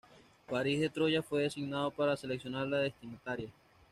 Paris de Troya fue designado para seleccionar la destinataria.